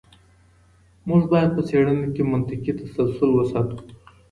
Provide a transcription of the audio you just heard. موږ باید په څېړنه کې منطقي تسلسل وساتو.